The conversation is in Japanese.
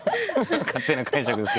勝手な解釈です。